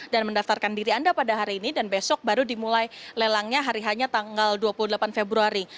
dan mendaftarkan diri anda pada hari ini dan besok baru dimulai lelangnya hari hanya tanggal dua puluh delapan februari